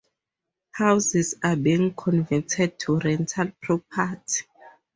Houses are being converted to rental property.